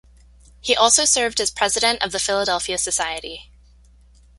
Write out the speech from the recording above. He also served as President of the Philadelphia Society.